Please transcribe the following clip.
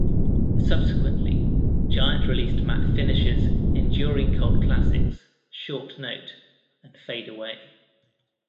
Subsequently, Giant released Matt Finish's enduring cult classics "Short Note" and "Fade Away".